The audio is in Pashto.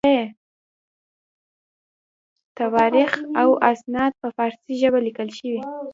تواریخ او اسناد په فارسي ژبه لیکل شوي.